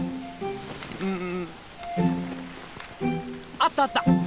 あったあった！